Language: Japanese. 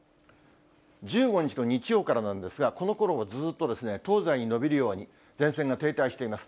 １５日の日曜からなんですが、このころもずっと、東西に延びるように、前線が停滞しています。